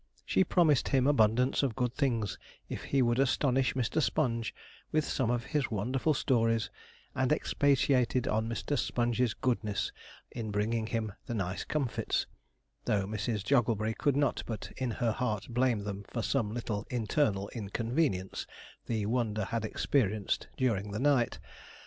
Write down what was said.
She promised him abundance of good things if he would astonish Mr. Sponge with some of his wonderful stories, and expatiated on Mr. Sponge's goodness in bringing him the nice comfits, though Mrs. Jogglebury could not but in her heart blame them for some little internal inconvenience the wonder had experienced during the night.